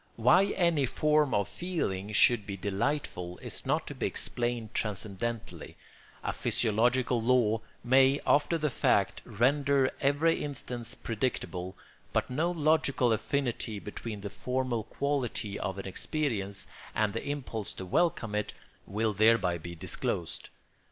Why any form of feeling should be delightful is not to be explained transcendentally: a physiological law may, after the fact, render every instance predictable; but no logical affinity between the formal quality of an experience and the impulse to welcome it will thereby be disclosed.